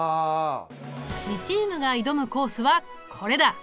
２チームが挑むコースはこれだ。